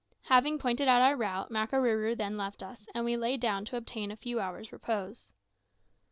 Having pointed out our route, Makarooroo then left us, and we lay down to obtain a few hours' repose.